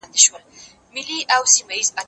زه هره ورځ لاس پرېولم،